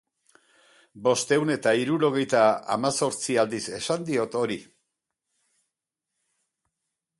Bostehun eta hirurogeita hamazortzi aldiz esan diot hori.